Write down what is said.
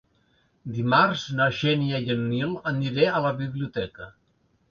Dimarts na Xènia i en Nil aniré a la biblioteca.